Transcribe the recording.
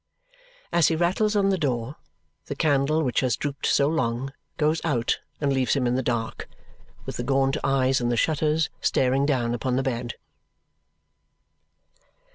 As he rattles on the door, the candle which has drooped so long goes out and leaves him in the dark, with the gaunt eyes in the shutters staring down upon the bed.